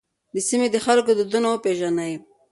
د سیمې د خلکو دودونه وپېژنئ.